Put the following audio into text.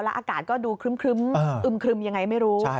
อากาศก็ดูครึ้มอึมครึมยังไงไม่รู้